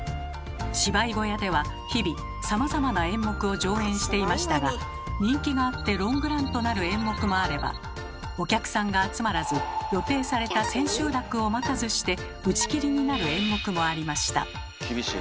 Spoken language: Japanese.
芝居小屋では日々さまざまな演目を上演していましたが人気があってロングランとなる演目もあればお客さんが集まらず予定された千秋楽を待たずして打ち切りになる演目もありました。